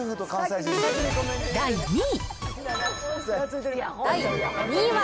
第２位。